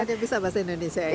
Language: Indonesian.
dia bisa bahasa indonesia ya